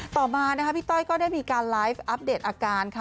ต่อมานะคะพี่ต้อยก็ได้มีการไลฟ์อัปเดตอาการค่ะ